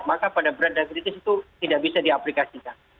maka pada berat dan kritis itu tidak bisa diaplikasikan